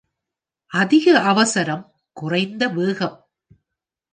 அதிக அவசரம் குறைந்த வேகம்.